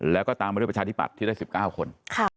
แล้วก็ตามมาด้วยประชาธิปัตย์ที่ได้๑๙คน